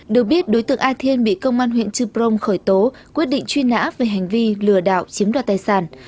được biết đối tượng a thiên bị công an huyện trư prong khởi tố quyết định truy nã về hành vi lừa đảo chiếm đoạt tài sản